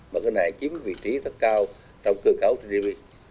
và cái này kiếm vị trí rất cao trong cơ cấu tv